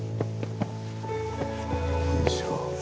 よいしょ。